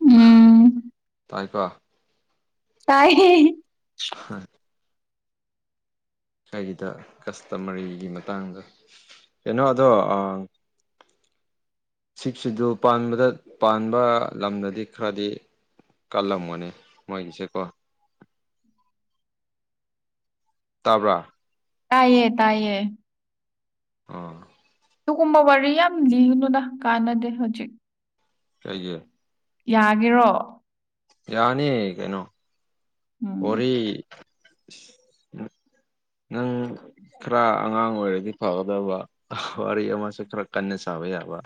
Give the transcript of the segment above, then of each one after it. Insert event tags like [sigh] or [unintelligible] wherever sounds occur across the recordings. ꯎꯝ ꯇꯥꯔꯤꯕ ꯇꯥꯏꯌꯦ ꯍꯣꯏ ꯀꯔꯤꯗ ꯀꯁꯇꯃꯔꯤꯒꯤ ꯃꯇꯥꯡꯗ ꯀꯩꯅꯣ ꯑꯗꯣ ꯁꯤꯞꯁꯤꯗꯨ ꯄꯥꯟꯕꯗ ꯄꯥꯟꯕ ꯂꯝꯗꯗꯤ ꯈꯔꯗꯤ ꯀꯜꯂꯝꯃꯣꯅꯤ ꯃꯣꯏꯒꯤꯁꯦ ꯀꯣ ꯇꯥꯕ꯭ꯔꯥ ꯇꯥꯏꯌꯦ ꯇꯥꯏꯌꯦ ꯑꯥ ꯑꯗꯨꯒꯨꯝꯕ ꯋꯥꯔꯤ ꯌꯥꯝ ꯂꯤꯔꯨꯅꯨꯗ ꯀꯥꯟꯅꯗꯦ ꯍꯧꯖꯤꯛ ꯀꯩꯒꯤ ꯌꯥꯒꯤꯔꯣ ꯌꯥꯅꯤ ꯀꯩꯅꯣ ꯎꯝ ꯍꯣꯔꯦ ꯅꯪ ꯈꯔ ꯑꯉꯥꯡ ꯑꯣꯏꯔꯗꯤ ꯐꯒꯗꯕ ꯑ ꯋꯥꯔꯤ ꯑꯃꯁꯨ ꯈꯔ ꯀꯟꯅ ꯁꯕ ꯌꯥꯕ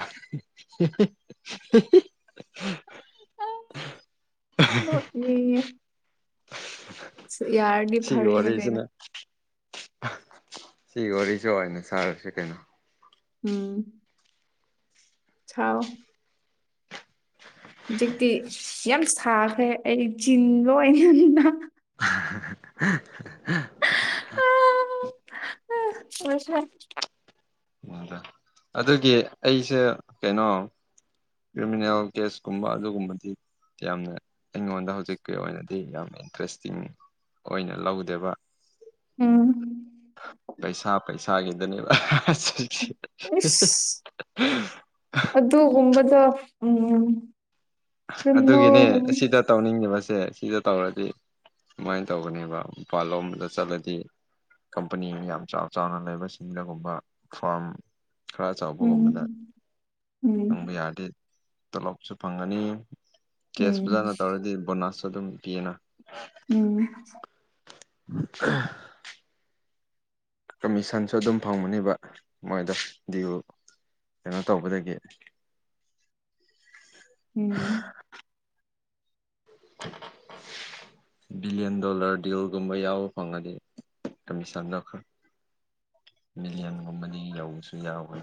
[unintelligible] ꯌꯥꯔꯗꯤ ꯁꯤꯒꯤ ꯐꯔꯦꯅ ꯀꯩꯅꯣ ꯋꯥꯔꯤꯁꯤꯅ ꯁꯤ ꯋꯥꯔꯤꯁꯨ ꯍꯣꯏꯅ ꯁꯥꯔꯁꯤ ꯀꯩꯅꯣ ꯎꯝ ꯆꯥꯎ ꯍꯧꯖꯤꯛꯇꯤ ꯌꯥꯝ ꯁꯥꯈ꯭ꯔꯦ ꯑꯩ ꯆꯤꯟꯕ ꯑꯣꯏꯅ ꯑꯗꯨꯅ ꯎꯝ [unintelligible] ꯎꯗ ꯑꯗꯨꯒꯤ ꯑꯩꯁꯦ ꯀꯩꯅꯣ ꯀ꯭ꯔꯤꯃꯤꯅꯦꯜ ꯀꯦꯁ ꯀꯨꯝꯕ ꯑꯗꯨꯒꯨꯝꯕꯗꯤ ꯌꯥꯝꯅ ꯑꯩꯉꯣꯟꯗ ꯍꯧꯖꯤꯛꯀꯤ ꯑꯣꯏꯅꯗꯤ ꯌꯥꯝ ꯏꯟꯇꯔꯦꯁꯇꯤꯡ ꯑꯣꯏꯅ ꯂꯧꯗꯦꯕ ꯎꯝ ꯄꯩꯁꯥ ꯄꯩꯁꯥꯒꯤꯗꯅꯦꯕ ꯑꯁ ꯑꯗꯨꯒꯨꯝꯕꯗ ꯎꯝ ꯑꯗꯨꯒꯤꯅꯦ ꯀ꯭ꯔꯤꯃꯤꯅꯦꯜꯒꯨꯝ ꯑꯁꯤꯗ ꯇꯧꯅꯤꯡꯉꯤꯕꯁꯦ ꯁꯤꯗ ꯇꯧꯔꯗꯤ ꯁꯨꯃꯥꯏꯅ ꯇꯧꯕꯅꯦꯕ ꯃꯄꯥꯜ ꯂꯣꯝꯗ ꯆꯠꯂꯗꯤ ꯀꯝꯄꯅꯤ ꯌꯥꯝ ꯆꯥꯎ ꯆꯥꯎꯅ ꯂꯩꯕꯁꯤꯡꯗꯒꯨꯝꯕ ꯐꯥꯝ ꯈꯔ ꯎꯝ ꯆꯥꯎꯕꯒꯨꯝꯕꯅ ꯎꯝ ꯆꯪꯕ ꯌꯥꯔꯗꯤ ꯇꯣꯂꯣꯞꯁꯨ ꯐꯪꯒꯅꯤ ꯀꯦꯁ ꯎꯝ ꯐꯖꯥꯅ ꯇꯧꯔꯗꯤ ꯕꯣꯅꯥꯁꯁꯨ ꯑꯗꯨꯝ ꯄꯤꯌꯦꯅ ꯎꯝ [unintelligible] ꯀꯃꯤꯁꯟꯁꯨ ꯑꯗꯨꯝ ꯐꯪꯕꯅꯦꯕ ꯃꯣꯏꯗ ꯗꯤꯌꯨ ꯀꯩꯅꯣ ꯇꯧꯕꯗꯒꯤ ꯎꯝ [inaudible] ꯕꯤꯂꯤꯌꯟ ꯗꯣꯂꯔ ꯗꯤꯜ ꯒꯨꯝꯕ ꯌꯥꯎ ꯐꯪꯑꯥꯗꯤ ꯀꯝꯃꯤꯁꯟꯗꯣ ꯃꯤꯂꯤꯌꯟꯒꯨꯝꯕꯅꯤ ꯌꯧꯕꯁꯨ ꯌꯥꯎꯈ꯭ꯔꯦ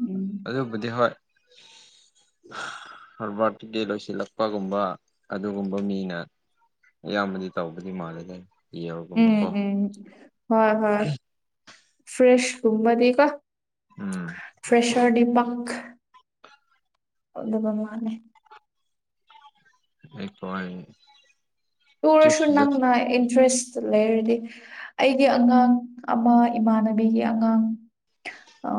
ꯎꯝ ꯑꯗꯨꯕꯨꯗꯤ ꯍꯣꯏ ꯍꯔꯕꯥꯔꯠꯀꯤ ꯂꯣꯏꯁꯤꯜꯂꯛꯄꯒꯨꯝꯕ ꯑꯗꯨꯒꯨꯝꯕ ꯃꯤꯅ ꯑꯌꯥꯝꯕꯗꯤ ꯇꯧꯕꯗꯤ ꯃꯥꯜꯂꯦ ꯎꯝ ꯎꯝ ꯍꯣꯏ ꯍꯣꯏ ꯐ꯭ꯔꯦꯁꯀꯨꯝꯕꯗꯤꯀꯣ ꯎꯝ ꯐ꯭ꯔꯦꯁꯔ ꯗꯤ ꯄꯛ ꯑꯗꯨꯒ ꯃꯥꯂ ꯑꯩ ꯄꯌꯦ ꯇꯨꯔꯁꯨ ꯅꯪꯅ ꯏꯟꯇꯔꯦꯁꯇ ꯂꯩꯔꯗꯤ ꯑꯩꯒꯤ ꯑꯉꯥꯡ ꯑꯃ ꯏꯃꯥꯟꯅꯕꯤꯒꯤ ꯑꯉꯥꯡ ꯑ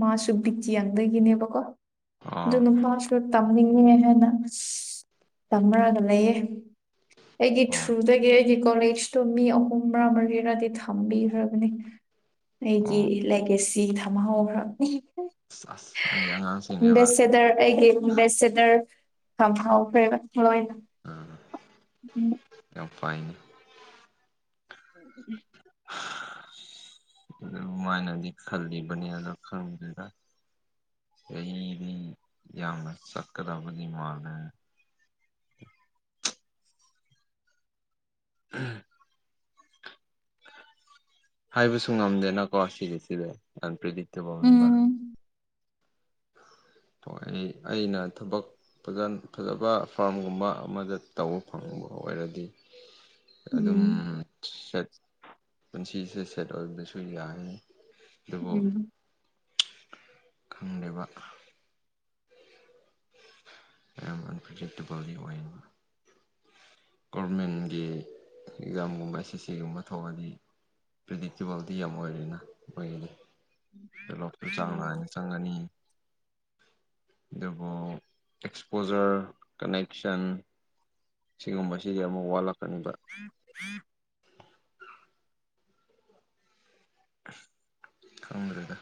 ꯃꯥꯁꯨ ꯕꯤꯀꯤꯌꯥꯡꯗꯒꯤꯅꯦꯕꯀꯣ ꯑꯗꯨ ꯑꯣ ꯅꯨ ꯃꯥꯁꯨ ꯇꯝꯅꯤꯡꯉꯦ ꯍꯥꯏꯅ ꯇꯝꯃꯔꯒ ꯂꯩꯌꯦ ꯑꯩꯒꯤ ꯑꯣ ꯊꯔꯨꯗꯒꯦ ꯑꯩꯗꯤ ꯀꯣꯂꯦꯖꯇꯣ ꯃꯤ ꯑꯍꯨꯝ ꯃꯥ ꯃꯔꯤꯔꯥꯗꯤ ꯊꯝꯕꯤꯈ꯭ꯔꯕꯅꯤ ꯑꯩꯒꯤ ꯑꯣ ꯂꯥꯏꯀꯦꯖꯁꯤ ꯊꯝꯃꯍꯕ꯭ꯔꯥ ꯑꯁ ꯅꯪ ꯑꯝꯕꯦꯁꯦꯗꯔ ꯑꯩꯒꯤ ꯑꯝꯕꯦꯁꯤꯦꯗꯔ ꯐꯥꯎꯈ꯭ꯔꯦꯕ ꯂꯣꯏꯅ [unintelligible] [inaudible] ꯌꯥꯝ ꯄꯥꯏ [inaudible] ꯑꯗꯨ ꯑꯗꯨꯃꯥꯏꯅꯗꯤ ꯈꯜꯂꯤꯕꯅꯦ ꯑꯗꯣ ꯈꯪꯕꯗꯨꯗ ꯂꯩꯂꯤꯗꯤ ꯌꯥꯝꯅ ꯆꯀꯗꯕꯗꯤ ꯃꯥꯂꯦ [unintelligible] ꯍꯥꯏꯕꯁꯨ ꯉꯝꯗꯦꯅꯀꯣ ꯁꯤꯁ ꯁꯤꯗꯤ ꯌꯥꯝꯟꯄ꯭ꯗꯤ ꯇꯧꯕꯅꯦꯕ ꯎꯝ ꯍ ꯑꯩꯅ ꯊꯕꯛ ꯐꯖ ꯐꯖꯕ ꯐꯥꯔꯝꯒꯨꯝꯕ ꯑꯃꯗ ꯇꯧꯕ ꯐꯪꯕ ꯑꯣꯏꯔꯗꯤ ꯑꯗꯨꯝ ꯎꯝ ꯁꯠ ꯄꯨꯟꯁꯤꯁꯦ ꯁꯦꯠ ꯑꯣꯏꯕꯁꯨ ꯌꯥꯏ ꯑꯗꯨꯕꯨ ꯎꯝ ꯈꯪꯂꯤꯕ ꯑ ꯐꯦꯠꯇꯀꯥꯎ ꯋꯥ ꯒꯣꯔꯔꯃꯦꯟꯒꯤ ꯑꯦꯛꯖꯥꯝꯒꯨꯝꯕ ꯑꯦꯁ ꯑꯦꯁ ꯁꯤꯒꯨꯝꯕ ꯊꯣꯛꯑꯗꯤ ꯄ꯭ꯔꯔꯤꯗꯤꯛꯇꯦꯕꯜꯗꯤ ꯌꯥꯝ ꯑꯣꯏꯔꯤꯦꯅ ꯑꯩꯈꯣꯏꯒꯤꯗꯤ ꯗꯦꯂꯣꯞꯇꯨ ꯆꯥꯡ ꯅꯥꯏꯅ ꯆꯪꯒꯅꯤ ꯑꯗꯨꯕꯨ ꯑꯦꯛꯁꯄꯣꯖꯔ ꯀꯅꯦꯛꯁꯟ ꯁꯤꯒꯨꯝꯕꯁꯤꯗꯤ ꯑꯃꯨꯛ ꯋꯥꯠꯂꯛꯀꯅꯤꯕ [inaudible] ꯈꯪꯈ꯭ꯔꯦꯗ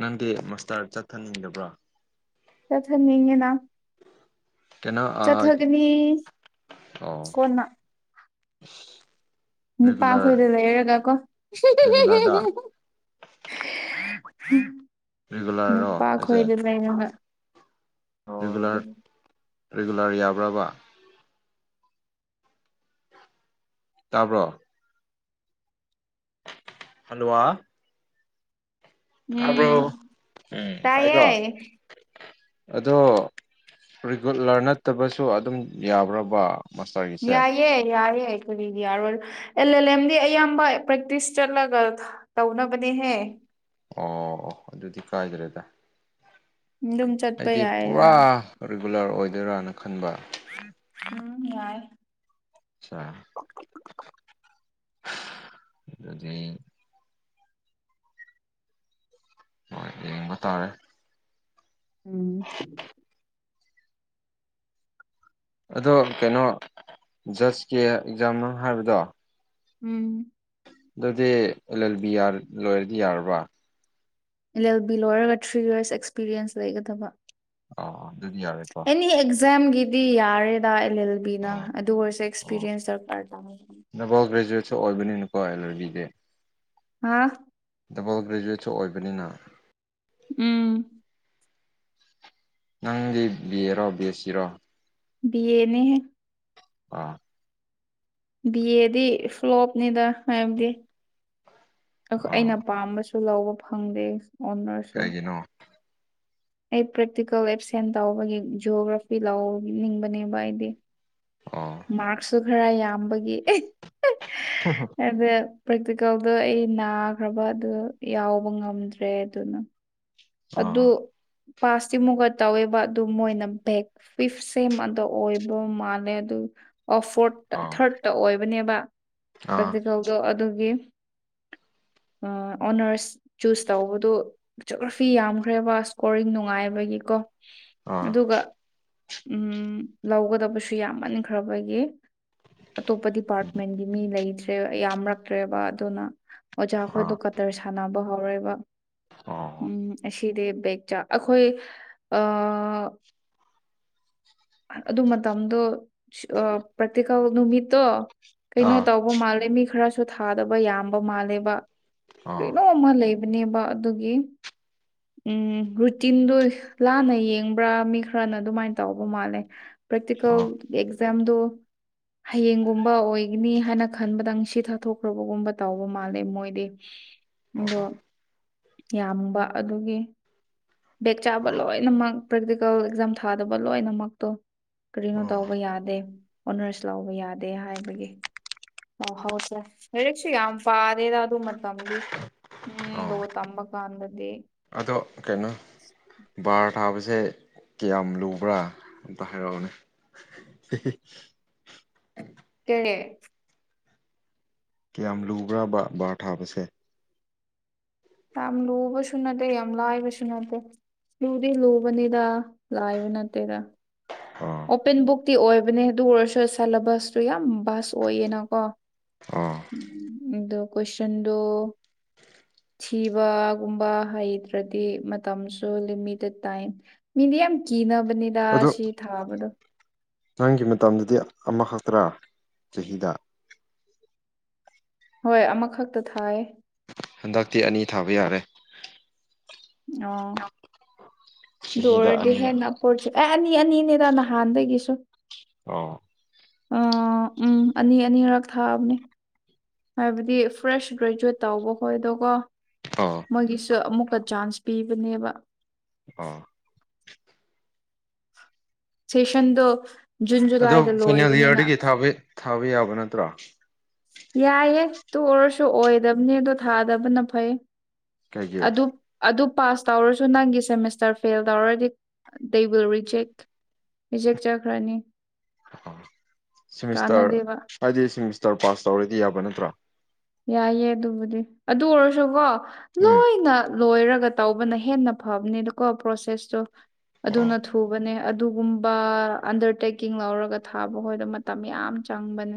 ꯅꯪꯗꯤ ꯃꯁꯇꯥꯔ ꯆꯠꯊꯅꯤꯡꯗꯕ꯭ꯔꯣ ꯆꯠꯊꯟꯅꯤꯡꯉꯤꯅ ꯀꯩꯅꯣ ꯑꯥ ꯆꯠꯊꯒꯅꯤ ꯑꯣ ꯀꯣꯟꯅ ꯔꯤꯒꯨꯂꯔ ꯅꯨꯄꯥꯈꯣꯏꯗ ꯂꯩꯔꯒ ꯀꯣ ꯔꯤꯒꯨꯂꯔꯗ [unintelligible] ꯔꯤꯒꯨꯂꯔꯔꯣ ꯅꯨꯄꯥ ꯍꯥꯏꯁꯦ ꯈꯣꯏꯗ ꯂꯩ ꯔꯤ ꯔꯔꯤꯒꯨꯂꯔ ꯌꯥꯕ꯭ꯔꯕ ꯇꯥꯕ꯭ꯔꯣ ꯍꯜꯂꯨꯋꯥ ꯀꯥꯔꯕ꯭ꯔꯣ ꯎꯝ ꯎꯝ ꯇꯥꯏꯌꯦ ꯇꯥꯏꯀꯣ ꯑꯗꯣ ꯔꯤꯒꯨꯂꯔ ꯅꯠꯇꯕꯁꯨ ꯑꯗꯨꯝ ꯌꯥꯕ꯭ꯔꯕ ꯃꯥꯁꯇꯔꯒꯤꯁꯦ ꯌꯥꯏꯌꯦ ꯌꯥꯏ ꯑꯗꯨꯗꯤ ꯌꯥꯔꯣꯏ ꯑꯦꯜ ꯑꯦꯜ ꯑꯦꯝꯗꯤ ꯑꯌꯥꯝꯕ ꯄ꯭ꯔꯦꯛꯇꯤꯁ ꯆꯠꯂꯒ ꯇꯧꯅꯕꯅꯦꯍꯦ ꯑꯣ ꯑꯣ ꯑꯗꯨꯗꯤ ꯀꯥꯏꯗ꯭ꯔꯦꯗ ꯑꯗꯨꯝ ꯆꯠꯄ ꯑꯩꯗꯤ ꯌꯥꯏꯔ ꯄꯨꯔꯥ ꯔꯤꯒꯨꯂꯔ ꯑꯣꯏꯗꯣꯏꯔꯅ ꯈꯟꯕ ꯎꯝ ꯌꯥꯏ ꯑꯆꯥ ꯑꯗꯨꯗꯤ ꯍꯣꯏ ꯌꯦꯡꯕ ꯇꯥꯔꯦ ꯎꯝ ꯑꯗꯣ ꯀꯩꯅꯣ ꯖꯁꯀꯤ ꯑꯦꯛꯖꯥꯝ ꯃꯅꯨꯡ ꯍꯥꯏꯕꯗꯣ ꯎꯝ ꯑꯗꯨꯗꯤ ꯑꯦꯜ ꯑꯦꯜ ꯕꯤꯑꯔ ꯂꯣꯏꯔꯗꯤ ꯌꯥꯔꯕ꯭ꯔꯥ ꯑꯦꯜ ꯑꯦꯜ ꯕꯤ ꯂꯣꯏꯔꯒ ꯊ꯭ꯔꯤ ꯌꯔꯁ ꯑꯦꯛꯁꯄꯤꯔꯤꯌꯦꯟꯁ ꯂꯩꯒꯗꯕ ꯑꫭ ꯑꯗꯨꯗꯤ ꯌꯥꯔꯦꯀꯣ ꯑꯦꯅꯤ ꯑꯦꯛꯖꯥꯝꯒꯤꯗꯤ ꯌꯥꯔꯦꯗ ꯑꯦꯜ ꯑꯦꯜ ꯕꯤꯅ ꯑꯥ ꯑꯗꯨ ꯑꯣꯏꯔꯁꯨ ꯑꯥ ꯑꯦꯛꯁꯄꯤꯔꯤꯌꯦꯟꯁ ꯗꯔꯀꯥꯔ ꯇꯥ ꯗꯕꯜ ꯒ꯭ꯔꯦꯖꯨꯋꯦꯠꯁꯨ ꯑꯣꯏꯕꯅꯤꯅꯀꯣ ꯑꯦꯜ ꯑ‌ꯦꯜ ꯕꯤꯖ‌ꯦ ꯍꯥꯥ ꯗꯕꯜ ꯒ꯭ꯔꯦꯖꯨꯋꯦꯠꯁꯨ ꯑꯣꯏꯕꯅꯤꯅ ꯎꯝ ꯅꯪꯗꯤ ꯕꯑ‌ꯦꯔꯣ ꯕꯑ‌ꯦꯁꯤꯔꯣ ꯕꯤ ꯑꯦꯅꯦꯍ‌ꯦ ꯑꯥ ꯕꯤ ꯑꯦꯗꯤ ꯐ꯭ꯂꯣꯞꯅꯤꯗ ꯍꯥꯏꯕꯗꯤ ꯑꯥ ꯑꯩꯅ ꯄꯥꯝꯕꯁꯨ ꯨ ꯂꯧꯕ ꯐꯪꯗꯦ ꯑꯣꯅꯔꯁ ꯀꯩꯒꯤꯅꯣ ꯑꯩ ꯄ꯭ꯔꯦꯛꯇꯤꯀꯦꯜ ꯑꯦꯞꯁꯦꯟ ꯇꯧꯕꯒꯤ ꯖꯤꯑꯣꯒ꯭ꯔꯥꯐꯤ ꯂꯧꯅꯤꯡꯕꯅꯦꯕ ꯑꯩꯗꯤ ꯑꯣ ꯃꯥꯔꯛꯁꯨ ꯈꯔ ꯌꯥꯝꯕꯒꯤ ꯍ ꯍꯣ [unintelligible] ꯑꯩꯗ ꯄ꯭ꯔꯦꯛꯇꯤꯀꯦꯜꯗꯣ ꯑꯩ ꯅꯥꯈ꯭ꯔꯕ ꯑꯗꯨ ꯌꯥꯎꯕ ꯉꯝꯗ꯭ꯔꯦ ꯑꯗꯨꯅ ꯑꯗꯨ ꯑꯥ ꯄꯥꯁꯇꯤꯃꯨꯛꯒ ꯇꯧꯋꯦꯕ ꯑꯗꯨ ꯃꯣꯏꯅ ꯕꯦꯛ ꯐꯤꯐ ꯁꯦꯝ ꯑꯗ ꯑꯣꯏꯕ ꯃꯥꯜꯂꯦ ꯑꯗꯨ ꯑꫭ ꯐꯣꯔꯠ ꯑꯥ ꯊꯥꯔꯗꯠꯇ ꯑꯣꯏꯕꯅꯦꯕ ꯑꯥ ꯄ꯭ꯔꯦꯛꯇꯤꯀꯦꯜ ꯑꯗꯣ ꯑꯗꯨꯒꯤ ꯑꯣꯅꯔꯁ ꯆꯨꯁ ꯇꯧꯕꯗꯨ ꯐꯤ ꯌꯥꯝꯈ꯭ꯔꯦꯕ ꯏꯁꯀꯣꯔꯤꯡ ꯅꯨꯡꯉꯥꯏꯕꯒꯤꯀꯣ ꯑꯥ ꯑꯗꯨꯒ ꯎꯝ ꯂꯧꯒꯗꯕꯁꯨ ꯌꯥꯝꯃꯟꯈ꯭ꯔꯕꯒꯤ ꯑꯇꯣꯞꯄ ꯗꯤꯄꯥꯔꯠꯃꯦꯟꯗꯤ ꯃꯤ ꯂꯩꯇ꯭ꯔꯦ ꯌꯥꯝꯔꯛꯇ꯭ꯔꯦꯕ ꯑꯗꯨꯅ ꯑꯣꯖꯥꯈꯣꯏꯗꯣ ꯑꯥ ꯀꯗꯔ ꯁꯥꯟꯅꯕ ꯍꯧꯔꯦꯕ ꯑꫭ ꯎꯝ ꯑꯁꯤꯗꯤ ꯕꯦꯒ ꯆꯥ ꯑꯩꯈꯣꯏ ꯑꯥ ꯑꯗꯨ ꯃꯇꯝꯗꯣ ꯄ꯭ꯔꯥꯛꯇꯤꯀꯜ ꯅꯨꯃꯤꯠꯇꯣ ꯀꯩꯅꯣ ꯑꯥ ꯇꯧꯕ ꯃꯥꯜꯂꯦ ꯃꯤ ꯈꯔꯁꯨ ꯁꯨ ꯊꯥꯗꯕ ꯌꯥꯝꯕ ꯃꯥꯜꯂꯦꯕ ꯑꯣ ꯑꯣ ꯀꯔꯤꯅꯣꯝ ꯑꯃ ꯂꯩꯕꯅꯦꯕ ꯑꯗꯨꯒꯤ ꯎꯝ ꯔꯨꯇꯤꯟꯗꯣ ꯂꯥꯟꯅ ꯌꯦꯡꯕ꯭ꯔꯥ ꯃꯤ ꯈꯔꯅ ꯑꯗꯨꯃꯥꯏꯅ ꯇꯧꯕ ꯃꯥꯜꯂꯦ ꯄ꯭ꯔꯦꯛꯇꯤꯀꯦꯜ ꯑꯣ ꯑꯦꯛꯖꯥꯝꯗꫭ ꯍꯌꯦꯡꯒꯨꯝꯕ ꯑꯣꯏꯒꯅꯤ ꯍꯥꯏꯅ ꯈꯟꯕꯗꯪ ꯁꯤ ꯊꯥꯊꯣꯛꯈ꯭ꯔꯕꯒꯨꯝꯕ ꯇꯧꯕ ꯃꯥꯜꯂꯦ ꯃꯣꯏꯗꯤ ꯑꯗꯣ ꯑꯣ ꯌꯥꯝꯕ ꯑꯗꯨꯒꯤ ꯕꯦꯛ ꯆꯥꯕ ꯂꯣꯏꯅꯃꯛ ꯄ꯭ꯔꯦꯛꯇꯤꯀꯦꯜ ꯑꯦꯛꯖꯥꯝ ꯊꯥꯗꯕ ꯂꯣꯏꯅꯃꯛꯇꯣ ꯀꯔꯤꯅꯣ ꯑꯣ ꯇꯧꯕ ꯌꯥꯗꯦ ꯑꯣꯅꯔꯁ ꯂꯧꯕ ꯌꯥꯗꯦ ꯍꯥꯏꯕꯒꯤ ꯑ ꯍꯥꯎꯁꯦ [unintelligible] ꯂꯥꯏꯔꯤꯛꯁꯨ ꯌꯥꯝ ꯄꯥꯗꯦꯗ ꯑꯗꯨ ꯃꯇꯝꯗꯤ ꯎꯝ ꯑꯣ ꯂꫭ ꯇꯝꯕ ꯀꯟꯗꯗꯤ ꯑꯗꯣ ꯀꯩꯅꯣ ꯕꯥꯔ ꯊꯥꯕꯁꯦ ꯀꯌꯥꯝ ꯂꯨꯕ꯭ꯔꯥ ꯑꯝꯇ ꯍꯥꯏꯔꯛꯑꯣꯅꯦ ꯀꯅꯦ [unintelligible] ꯀꯌꯥꯝ ꯂꯨꯕ꯭ꯔꯥꯕ ꯕꯥꯔ ꯊꯥꯕꯁꯦ ꯌꯥꯝ ꯂꯨꯕꯁꯨꯅꯠꯇ‌ꯦ ꯌꯥꯝ ꯂꯥꯏꯕꯁꯨꯅꯠꯇ‌ꯦ ꯂꯨꯗꯤ ꯂꯨꯕꯅꯤꯗ ꯂꯥꯏꯕ ꯅꯠꯇꯦꯗ ꯑꯥ꯫ ꯑꯣꯄꯟ ꯕꯨꯛꯇꯤ ꯑꯣꯏꯕꯅꯦ ꯑꯗꯨ ꯑꯣꯏꯔꯁꯨ ꯁꯦꯂꯦꯕꯁꯇꯨ ꯌꯥꯝ ꯚꯁ ꯑꯣꯏꯌꯦꯅꯀꯣ꯫ ꯑꯥ꯫ ꯑꯗꯣ ꯀ꯭ꯋꯁꯟꯗꯣ꯫ ꯊꯤꯕꯒꯨꯝꯕ ꯍꯩꯇ꯭ꯔꯗꯤ ꯃꯇꯝꯁꯨ ꯂꯤꯃꯤꯇꯦꯠ ꯇꯥꯏꯝ꯫ ꯃꯤꯗꯤ ꯌꯥꯝ ꯀꯤꯅꯕꯅꯦ꯫ ꯑꯗꯨ ꯅꯪꯒꯤ ꯃꯇꯝꯗꯗꯤ ꯑꯃ ꯍꯛꯇ꯭ꯔꯥ ꯆꯍꯤꯗ꯫ ꯍꯣꯏ ꯑꯃꯈꯛꯇ ꯊꯥꯏ꯫ ꯍꯟꯗꯛꯇꯤ ꯑꯅꯤ ꯊꯥꯕ ꯌꯥꯔꯦ꯫ ꯑꯣ ꯆꯍꯤꯗ ꯑꯗꯨꯑꯣꯢꯔꯗꯤ ꯑꯅꯤꯔꯛ ꯍꯦꯟꯅ꯫ ꯀꯣꯁꯤ ꯑꯦ ꯑꯅꯤ ꯑꯅꯤꯅꯦꯗ ꯅꯍꯥꯟꯗꯒꯤꯁꯨ꯫ ꯑꯣ꯫ ꯎ ꯎꯝ ꯑꯅꯤ ꯑꯅꯤꯔꯛ ꯊꯥꯕꯅꯦ꯫ ꯍꯥꯏꯕꯗꯤ ꯐ꯭ꯔꯦꯁ ꯒ꯭ꯔꯦꯖꯨꯋꯦꯠ ꯇꯧꯕ ꯍꯣꯏ ꯑꯗꯨꯒꯣ꯫ ꯑꯥ꯫ ꯃꯣꯏꯒꯤꯁꯨ ꯑꯃꯨꯛꯀ ꯆꯥꯟꯁ ꯄꯤꯕꯅꯦꯕ꯫ ꯑꯥ꯫ ꯁꯦꯁꯟꯗꯣ꯫ ꯖꯨꯟ ꯑꯗꯣ ꯖꯨꯂꯥꯏꯗ ꯐꯥꯏꯅꯦꯜ ꯂꯣꯏꯕꯅꯤꯅ ꯏꯌꯥꯔꯗꯒꯤ ꯊꯥꯕ ꯌꯥꯕ ꯅꯠꯇ꯭ꯔꯣ꯫ ꯌꯥꯏꯌꯦ ꯑꯗꯨ ꯑꯣꯏꯔꯁꯨ ꯑꯣꯏꯗꯕꯅꯦꯗꯣ ꯊꯥꯗꯕꯅ ꯐꯩ ꯀꯩꯒꯤ ꯑꯗꯨ꯫ ꯑꯗꯨ ꯄꯥꯁ ꯇꯧꯔꯁꯨ ꯅꯪꯒꯤ ꯁꯦꯃꯤꯁꯇꯔ ꯐꯦꯜ ꯇꯧꯔꯗꯤ ꯗꯦ ꯋꯤꯜ ꯔꯤꯖꯦꯛ꯫ ꯔꯤꯖꯦꯛ ꯆꯥꯠꯈ꯭ꯔꯅꯤ꯫ ꯑ ꯁꯦꯃꯤꯁꯇꯔ ꯀꯥꯟꯅꯗꯦꯕ ꯍꯥꯏꯗꯤ ꯁꯦꯃꯤꯁꯇꯔ ꯄꯥꯁ ꯇꯧꯔꯗꯤ ꯌꯥꯕ ꯅꯠꯇ꯭ꯔꯣ꯫ ꯌꯥꯏꯑꯦ ꯑꯗꯨꯕꯨꯗꯤ ꯑꯗꯨ ꯑꯣꯏꯔꯁꯨꯀꯣ꯫ ꯎꯝ꯫ ꯂꯣꯏꯅ ꯂꯣꯏꯔꯒ ꯇꯧꯕꯅ ꯍꯦꯟꯅ ꯐꯕꯅꯦꯅꯀꯣ ꯄ꯭ꯔꯣꯁꯦꯁꯇꯣ ꯑꯣ ꯑꯗꯨꯅ ꯊꯨꯕꯅꯦ꯫ ꯑꯗꯨꯒꯨꯝꯕ ꯑꯟꯗꯔꯇꯦꯛꯀꯤꯡ ꯂꯧꯔꯒ ꯊꯥꯕꯈꯣꯏꯗ ꯃꯇꯝ ꯌꯥꯝ ꯆꯪꯕꯅꯦ꯫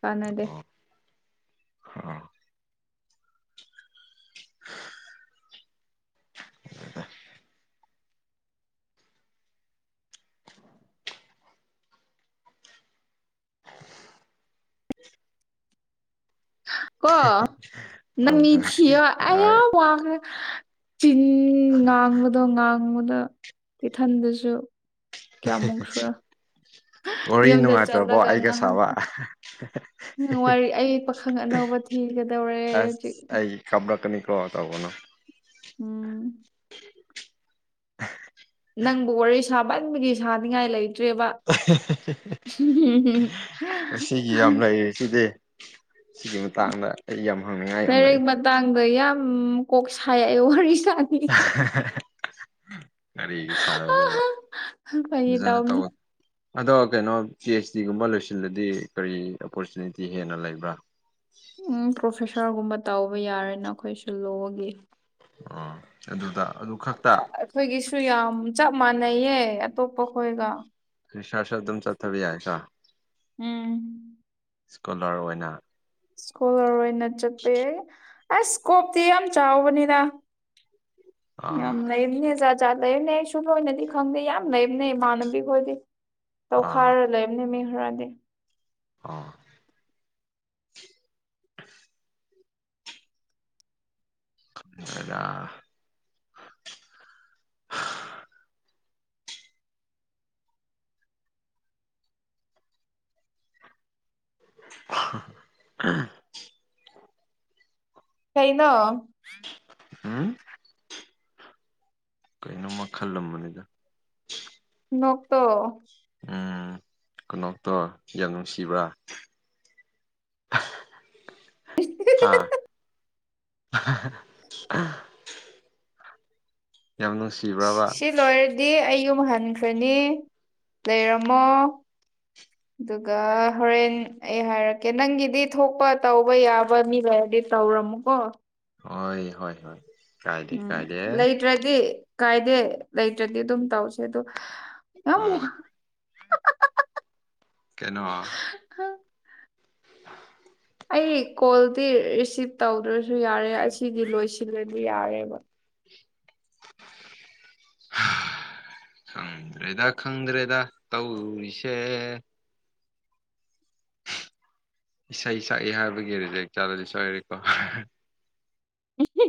ꯀꯥꯟꯅꯗꯦ꯫ ꯑꯥ꯫ ꯍꯗ [unintelligible] [inaudible] [unintelligible] ꯀꯣ ꯅꯪ ꯍꯣꯏ ꯃꯤ ꯊꯤꯌꯣ ꯍꯣꯏ ꯑꯌꯥꯝ ꯋꯥꯈꯔꯦ꯫ ꯆꯤꯟ ꯉꯥꯡꯕꯗꯣ ꯉꯥꯡꯕꯗ ꯏꯊꯟꯗꯁꯨ꯫ ꯀꯌꯥꯃꯨꯁꯨꯨꯔ꯫ ꯋꯥꯔꯤ ꯌꯨꯝꯗ ꯅꯨꯡꯉꯥꯏꯇ꯭ꯔꯕꯣ ꯆꯠꯂꯒ ꯑꯩꯒ ꯁꯥꯕ ꯉꯥꯏꯍꯥꯛꯇ ꯋꯥꯔꯤ ꯑꯌꯦꯛ ꯄꯥꯈꯪ ꯑꯅꯧꯕ꯫ ꯊꯤꯒꯗꯧꯔꯦ ꯑꯩ ꯑꯁ ꯍꯧꯖꯤꯛ꯫ ꯑꯩ ꯈꯕꯔꯀꯅꯤ ꯀꯣ ꯇꯧꯒꯅꯣ꯫ ꯎꯝ꯫ ꯅꯪꯕꯨ ꯋꯥꯔꯤ ꯁꯥꯕꯟꯕꯒꯤ ꯁꯥꯅꯤꯡꯉꯥꯏ ꯂꯩ꯫ ꯇ꯭ꯔꯦꯕ꯫ ꯁꯤꯗꯦ ꯁꯤꯒꯤ ꯃꯇꯥꯡꯗ ꯑꯩ ꯌꯥꯝ ꯍꯪꯅꯤꯡꯉꯥꯏ ꯌꯥꯝ ꯂꯥꯏ꯫ ꯇꯥꯡꯗ ꯌꯥꯝ ꯀꯣꯛ ꯁꯥꯏ ꯑꯩ ꯋꯔꯤꯁꯥ [unintelligible] ꯀꯔꯤꯒꯤ ꯁꯥꯒꯗꯕ ꯐꯥꯒꯤ ꯐꯖꯅ ꯇꯧꯕꯅꯦ ꯇꯧꯑꯣ꯫ ꯑꯗꯣ ꯀꯩꯅꯣ ꯄꯤ ꯑꯩꯆ ꯗꯤꯒꯨꯝꯕ ꯂꯣꯏꯁꯤꯜꯂꯗꯤ ꯀꯔꯤ ꯑꯣꯄꯣꯔꯆꯨꯅꯤꯇꯤ ꯍꯦꯟꯅ ꯂꯩꯕ꯭ꯔꯥ꯫ ꯎꯝ ꯄ꯭ꯔꯣꯐꯦꯁꯥꯔꯒꯨꯝꯕ ꯇꯧꯕ ꯌꯥꯔꯦꯅ ꯑꯩꯈꯣꯏꯁꯨ ꯂꯣꯒꯤ꯫ ꯑꯣ ꯑꯗꯨꯗ ꯑꯗꯨ꯫ ꯈꯛꯇ ꯑꯩꯈꯣꯏꯒꯤꯁꯨ ꯌꯥꯝ ꯆꯞ ꯃꯥꯟꯅꯩꯌꯦ ꯑꯇꯣꯞꯄ ꯈꯣꯏꯒ꯫ ꯔꯤꯁꯥꯔꯁꯨ ꯑꯗꯨꯝ ꯆꯠꯊꯕ ꯌꯥꯏꯗꯔ꯫ ꯎꯝ꯫ ꯏꯁ꯭ꯀꯣꯂꯥꯔ ꯑꯣꯏꯅ꯫ ꯏꯁꯀꯣꯂꯔ ꯑꯣꯏꯅ ꯆꯠꯄ ꯌꯥꯏ ꯑꯁ ꯏꯁꯀꯣꯞꯇꯤ ꯌꯥꯝ ꯆꯥꯎꯕꯅꯤꯅ ꯑꯥ ꯌꯥꯝ ꯂꯩꯅꯤꯗ ꯄꯖꯥ ꯂꯩꯕꯅꯦ ꯑꯩ ꯁꯨꯝꯗꯣꯏꯅꯗꯤ ꯈꯪꯗꯦ ꯌꯥꯝ ꯂꯩꯕꯅꯦ ꯏꯃꯥꯟꯅꯕꯤ ꯈꯣꯏꯗꯤ ꯑꯥ ꯇꯧꯈꯥꯏꯔ ꯂꯩꯕ [unintelligible] ꯑꯥ [inaudible] [unintelligible] [unintelligible] ꯀꯩꯅ ꯎꯝ ꯀꯩꯅꯣꯝꯃ ꯈꯜꯂꯝꯕꯅꯤꯗ ꯅꯀꯣꯛꯇꯣ ꯎꯝ ꯀꯩꯅꯣꯇꯣ ꯌꯥꯝ ꯅꯨꯡꯁꯤꯕ꯭ꯔꯥ ꯑꯥ ꯌꯥꯝꯅꯅꯨꯡꯁꯤ ꯁꯤ ꯂꯣꯏꯔꯗꯤ ꯑꯩ ꯌꯨꯝ ꯍꯟꯈ꯭ꯔꯅꯤ ꯂꯩꯔꯝꯃꯣ ꯑꯗꯨꯒ ꯍꯣꯔꯦꯟ ꯑꯩ ꯍꯥꯏꯔꯛꯀꯦ ꯅꯪꯒꯤꯗꯤ ꯊꯣꯛꯄ ꯇꯧꯕ ꯌꯥꯕ ꯃꯤ ꯂꯩꯔꯗꯤ ꯇꯧꯔꯝꯃꯨꯀꯣ ꯍꯣꯏ ꯍꯣꯏ ꯍꯣꯏ ꯀꯥꯏꯗꯦ ꯎꯝ ꯀꯥꯏꯗꯦ ꯂꯩꯇ꯭ꯔꯗꯤ ꯀꯥꯏꯗꯦ ꯂꯩꯇ꯭ꯔꯗꯤ ꯑꯗꯨꯝ ꯇꯧꯁꯦ ꯑꯗꯣ ꯅꯪꯕꯨ ꯑꯥ ꯀꯩꯅꯣ [unintelligible] ꯑꯩ ꯀꯣꯜꯗꯤ ꯔꯤꯁꯤꯞ ꯇꯧꯗ꯭ꯔꯁꯨ ꯌꯥꯔꯦ ꯑꯁꯤꯗꯤ ꯂꯣꯏꯁꯤꯜꯂꯗꯤ ꯌꯥꯔꯦꯕ [inaudible] ꯈꯪꯗ꯭ꯔꯦꯗ ꯈꯪꯗ꯭ꯔꯦꯗ ꯇꯧꯔꯤꯁꯦ ꯏꯁꯩ ꯁꯛꯏ ꯍꯥꯏꯕꯒꯤ ꯖꯦꯛ ꯏꯛ ꯆꯥꯗꯗꯤ ꯁꯛꯔꯦꯀꯣ